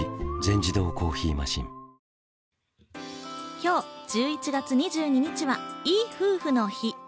今日１１月２２日はいい夫婦の日。